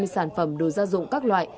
sáu trăm hai mươi sản phẩm đồ gia dụng các loại